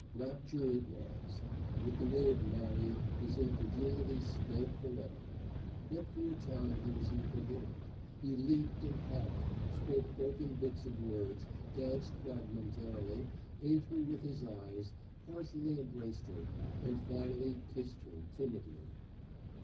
Rapture it was. With the word "marry," his incredulity sped forever. But for a time he was incoherent: he leaped and hopped, spoke broken bits of words, danced fragmentarily, ate her with his eyes, partially embraced her, and finally kissed her timidly.